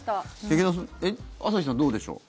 劇団さん朝日さん、どうでしょう。